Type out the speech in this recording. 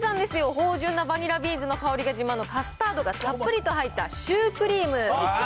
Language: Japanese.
芳じゅんなバニラビーンズの香りが自慢のカスタードがたっぷり入ったシュークリーム。